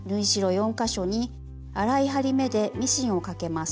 ４か所に粗い針目でミシンをかけます。